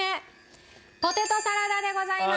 ポテトサラダでございます！